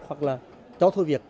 hoặc là cho thôi việc